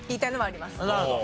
なるほど。